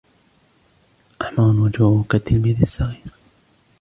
احمر وجهه كالتلميذ الصغير.